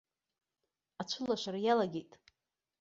Ацәылашара иалагеит.